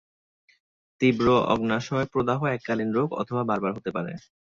তীব্র অগ্ন্যাশয় প্রদাহ এককালীন রোগ অথবা বারবার হতে পারে।